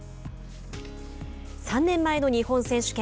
３年前の日本選手権。